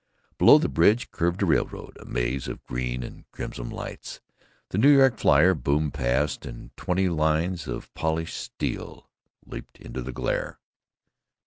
Below the bridge curved a railroad, a maze of green and crimson lights. The New York Flyer boomed past, and twenty lines of polished steel leaped into the glare.